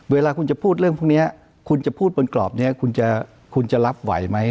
เวลาคุณจะพูดเรื่องพวกนี้คุณจะพูดบนกรอบนี้คุณจะรับไหวไหม